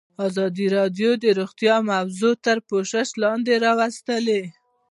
ازادي راډیو د روغتیا موضوع تر پوښښ لاندې راوستې.